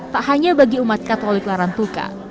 tak hanya bagi umat katolik larang tuka